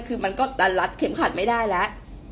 คือมันก็จะรัดเข็มขัดไม่ได้แล้ว